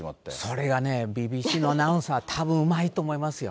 それがね、ＢＢＣのアナウンサー、たぶんうまいと思いますよ。